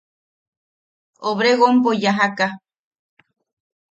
Obregonpo yajaka.